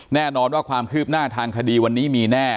แน่นอนว่าความคืบหน้าทางคดีวันนี้มีแน่